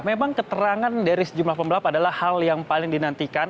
memang keterangan dari sejumlah pembalap adalah hal yang paling dinantikan